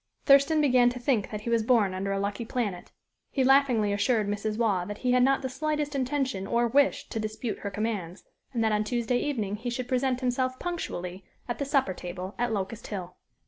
Thurston began to think that he was born under a lucky planet. He laughingly assured Mrs. Waugh that he had not the slightest intention or wish to dispute her commands, and that on Tuesday evening he should present himself punctually at the supper table at Locust Hill.